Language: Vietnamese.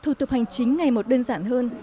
thủ tục hành chính ngày một đơn giản hơn